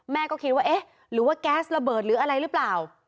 ก็คิดว่าเอ๊ะหรือว่าแก๊สระเบิดหรืออะไรหรือเปล่า